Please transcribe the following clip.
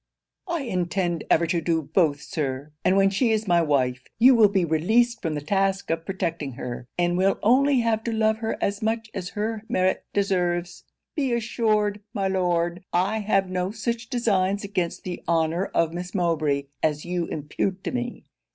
'I intend ever to do both, Sir; and when she is my wife, you will be released from the task of protecting her, and will only have to love her as much as her merit deserves. Be assured, my Lord, I have no such designs against the honour of Miss Mowbray as you impute to me.